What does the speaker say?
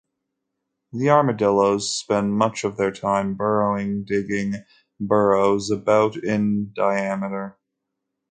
The armadillos spend much of their time burrowing, digging burrows about in diameter.